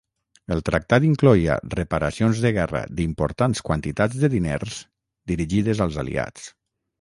El tractat incloïa "reparacions de guerra" d'importants quantitats de diners, dirigides als aliats.